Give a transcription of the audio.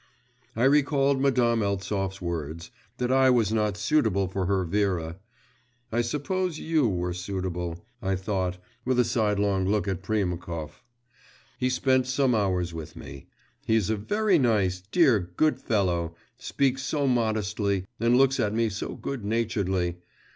I recalled Madame Eltsov's words, that I was not suitable for her Vera.… 'I suppose you were suitable,' I thought, with a sidelong look at Priemkov. He spent some hours with me. He is a very nice, dear, good fellow, speaks so modestly, and looks at me so good naturedly.